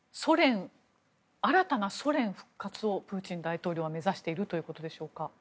新たなソ連復活をプーチン大統領は目指しているということでしょうか。